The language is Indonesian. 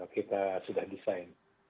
kita sudah design